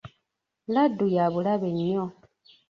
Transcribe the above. Laddu ya bulabe nnyo.